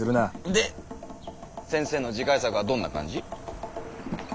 で先生の次回作はどんな感じ？